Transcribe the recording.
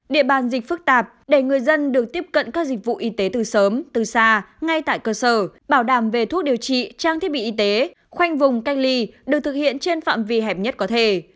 địa bàn dịch phức tạp để người dân được tiếp cận các dịch vụ y tế từ sớm từ xa ngay tại cơ sở bảo đảm về thuốc điều trị trang thiết bị y tế khoanh vùng cách ly được thực hiện trên phạm vi hẹp nhất có thể